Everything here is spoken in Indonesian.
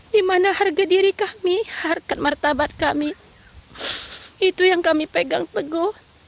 di mana harga diri kami harkat martabat kami itu yang kami pegang teguh